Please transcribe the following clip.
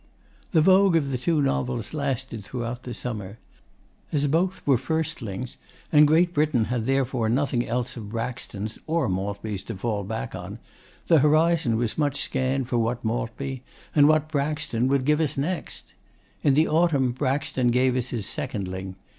The vogue of the two novels lasted throughout the summer. As both were 'firstlings,' and Great Britain had therefore nothing else of Braxton's or Maltby's to fall back on, the horizon was much scanned for what Maltby, and what Braxton, would give us next. In the autumn Braxton gave us his secondling.